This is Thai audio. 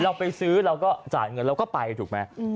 เราไปซื้อเราก็จ่ายเงินเราก็ไปถูกไหม